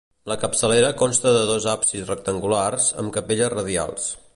La capçalera consta de dos absis rectangulars, amb capelles radials.